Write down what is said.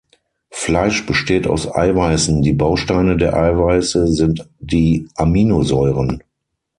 Fleisch besteht aus Eiweißen, die Bausteine der Eiweiße sind die Aminosäuren.